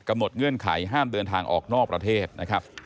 เงื่อนไขห้ามเดินทางออกนอกประเทศนะครับ